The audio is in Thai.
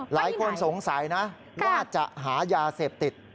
หลายคนสงสัยนะว่าจะหายาเสพติด